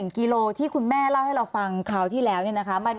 กิโลที่คุณแม่เล่าให้เราฟังคราวที่แล้วเนี่ยนะคะ